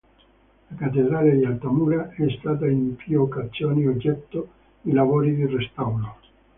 La cattedrale di Altamura è stata in più occasioni oggetto di lavori di restauro.